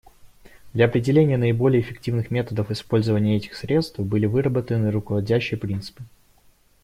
Для определения наиболее эффективных методов использования этих средств были выработаны руководящие принципы.